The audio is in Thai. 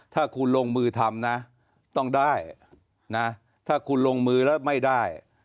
ถ้าคุณลงมือทำนะต้องได้นะถ้าคุณลงมือแล้วไม่ได้